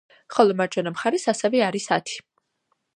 ხოლო მარჯვენა მხარეს ასევე არის ათი.